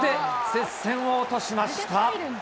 接戦を落としました。